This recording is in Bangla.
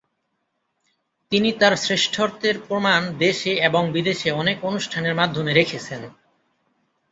তিনি তার শ্রেষ্ঠত্বের প্রমাণ দেশে এবং বিদেশে অনেক অনুষ্ঠানের মাধ্যমে রেখেছেন।